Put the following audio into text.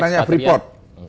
saya tanya freeport